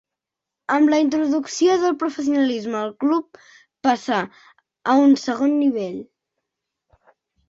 Amb la introducció del professionalisme el club passà a un segon nivell.